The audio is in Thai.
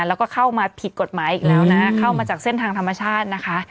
แล้วก็เข้ามาผิดกฎหมายอีกแล้วนะเข้ามาจากเส้นทางธรรมชาตินะคะ